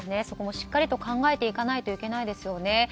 そこもしっかり考えていかないといけませんね。